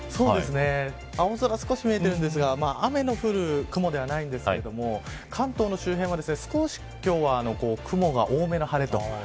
青空、少し見えてるんですが雨の降る雲ではないんですけれども関東の周辺は少し、今日は雲が多めの晴れと。